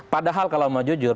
padahal kalau mau jujur